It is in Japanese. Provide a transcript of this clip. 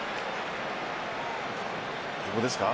ここですか。